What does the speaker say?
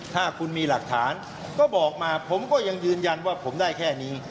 ถ้าคุณมีหลักฐานก็บอกมาผมก็ยังยืนยันว่าผมได้แค่นี้